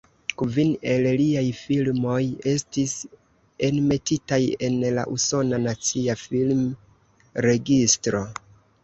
Kvin el liaj filmoj estis enmetitaj en la Usona Nacia Film-Registro.